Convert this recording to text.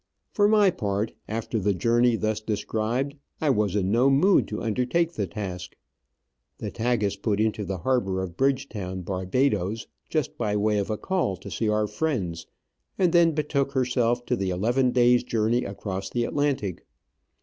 For my part, after the journey thus described, I was in no DECK OF THE TAGUS. mood to undertake the task. The Tagus put into the harbour of Bridgetown, Barbadoes, just by way of a call to see our friends, and then betook herself to the eleven days' journey across the Atlantic.